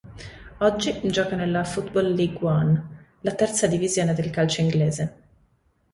Oggi gioca nella Football League One, la terza divisione del calcio inglese.